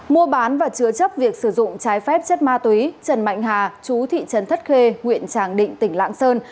mua bán và chứa chấp việc sử dụng trái phép chất ma túy trần mạnh hà chú thị trấn thất khê huyện tràng định tỉnh lạng sơn